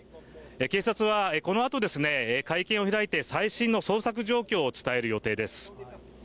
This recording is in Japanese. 警察はこのあと、会見を開いて最新の捜索状況を伝える予定です。